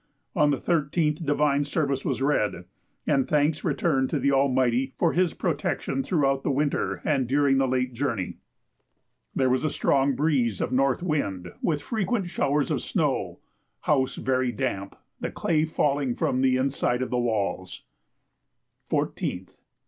On the 13th divine service was read, and thanks returned to the Almighty for His protection throughout the winter and during the late journey. There was a strong breeze of N. wind, with frequent showers of snow. House very damp; the clay falling from the inside of the walls. 14th.